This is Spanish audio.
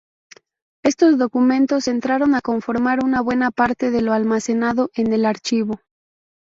Estos documentos entraron a conformar una buena parte de lo almacenado en el archivo.